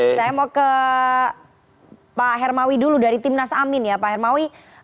saya mau ke pak hermawi dulu dari timnas amin ya pak hermawi